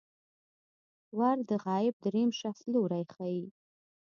ور د غایب دریم شخص لوری ښيي.